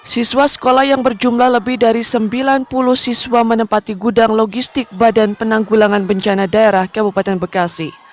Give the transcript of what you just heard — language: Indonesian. siswa sekolah yang berjumlah lebih dari sembilan puluh siswa menempati gudang logistik badan penanggulangan bencana daerah kabupaten bekasi